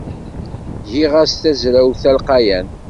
Giɣ-as tazrawt talqayant.